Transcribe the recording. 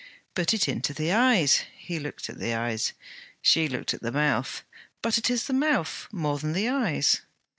'Put it into the eyes.' He looked at the eyes. She looked at the mouth. 'But it is the mouth, more than the eyes.'